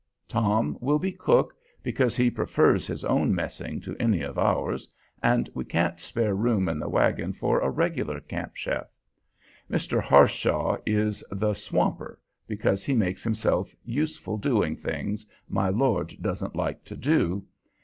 Tom will be cook, because he prefers his own messing to any of ours, and we can't spare room in the wagon for a regular camp chef. Mr. Harshaw is the "swamper," because he makes himself useful doing things my lord doesn't like to do.